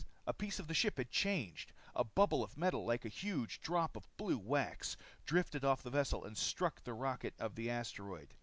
A piece of the ship had changed. A bubble of metal, like a huge drop of blue wax, dripped off the vessel and struck the rocket of the asteroid.